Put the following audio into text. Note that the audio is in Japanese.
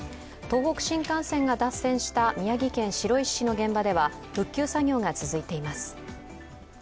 東北新幹線が脱線した宮城県白石市の現場では復旧作業が続いています。